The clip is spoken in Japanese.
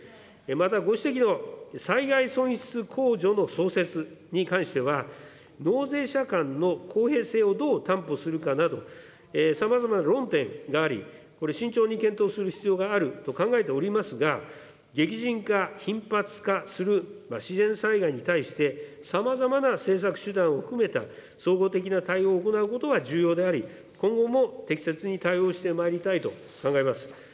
またご指摘の災害損失控除の創設に関しては、納税者間の公平性をどう担保するかなど、さまざまな論点があり、これ、慎重に検討する必要があると考えておりますが、激甚化、頻発化する自然災害に対して、さまざまな政策手段を含めた総合的な対応を行うことは重要であり、今後も適切に対応してまいりたいと考えます。